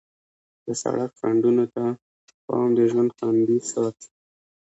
د سړک خنډونو ته پام د ژوند خوندي ساتي.